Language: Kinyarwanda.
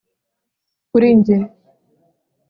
kuri njye